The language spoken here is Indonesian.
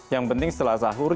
yang penting setelah sahur